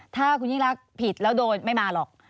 ถ้าคุณยิ่งรักผิดแล้วโดนไม่มาหรอก